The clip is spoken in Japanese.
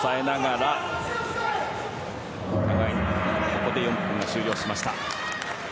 ここで４分が終了しました。